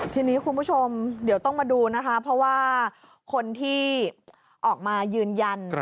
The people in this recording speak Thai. ทีนี้คุณผู้ชมเดี๋ยวต้องมาดูนะคะเพราะว่าคนที่ออกมายืนยัน